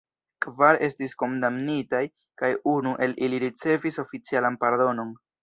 Kvar estis kondamnitaj, kaj unu el ili ricevis oficialan pardonon.